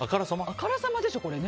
あからさまでしょ、これ。